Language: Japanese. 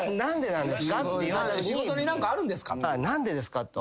「なんでですか？」と。